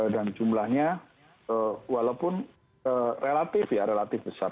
jumlahnya walaupun relatif ya relatif besar